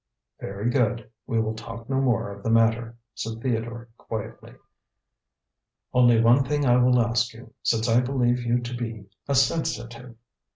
"Very good. We will talk no more of the matter," said Theodore quietly. "Only one thing I will ask you, since I believe you to be a sensitive.